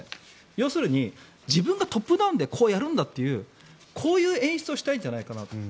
要するに自分がトップダウンでこうやるんだというこういう演出をしたいんじゃないかなと。